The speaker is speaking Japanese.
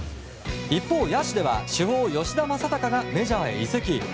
一方、野手では、主砲吉田正尚がメジャーへ移籍。